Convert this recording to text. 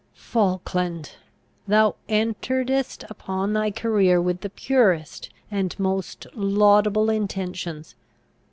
Falkland! thou enteredst upon thy career with the purest and most laudable intentions.